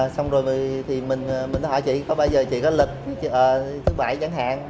xong rồi mình hỏi chị có bao giờ chị có lịch thứ bảy chẳng hạn